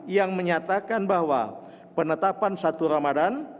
yang menyatakan bahwa penetapan satu ramadhan